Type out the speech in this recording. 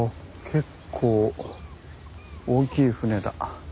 結構大きい船だ。